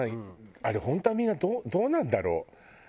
あれ本当はみんなどうなんだろう？